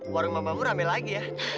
warung bambamu rame lagi ya